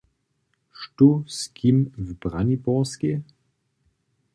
Štó z kim w Braniborskej?